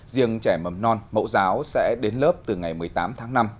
riêng trẻ mầm non mẫu giáo sẽ đến lớp từ ngày một mươi tám tháng năm